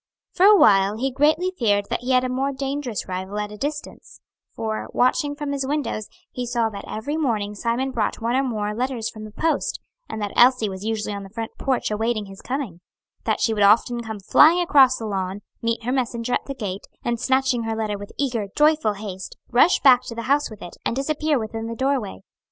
For a while he greatly feared that he had a more dangerous rival at a distance; for, watching from his windows, he saw that every morning Simon brought one or more letters from the post, and that Elsie was usually on the front porch awaiting his coming; that she would often come flying across the lawn, meet her messenger at the gate, and snatching her letter with eager, joyful haste, rush back to the house with it, and disappear within the doorway.